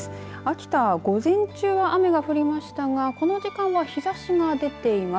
秋田は午前中は雨が降りましたがこの時間は日ざしが出ています。